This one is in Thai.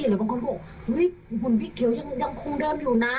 หรือบางคนบอกว่าอุ๊ยขิ่งของคุณพี่เขียวยังคงเดิมอยู่นะ